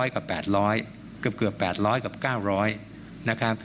๙๐๐กับ๘๐๐เกือบ๘๐๐กับ๙๐๐นะคะ